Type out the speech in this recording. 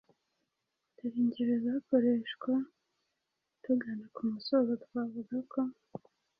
Dore ingero zakoreshwa: Tugana ku musozo twavuga ko...